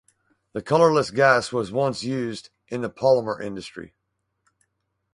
The colourless gas was once used in the polymer industry.